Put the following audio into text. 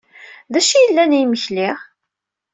D acu i yellan i yimekli?